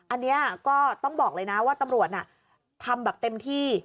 อันนี้ก็ต้องบอกเลยนะว่าตำรวจทำแบบเต็มที่